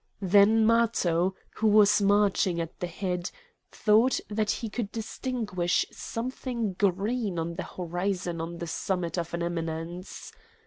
Then Matho, who was marching at the head, thought that he could distinguish something green on the horizon on the summit of an eminence.